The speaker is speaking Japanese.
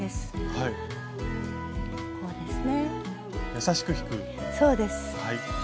そうですね。